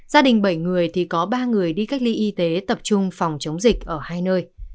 gia đình bảy người thì có ba người đi cách ly y tế tập trung phòng chống dịch ở hai nơi